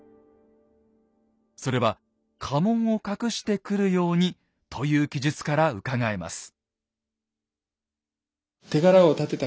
それは家紋を隠して来るようにという記述からうかがえます。